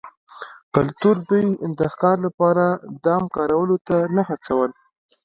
کلتور دوی د ښکار لپاره دام کارولو ته نه هڅول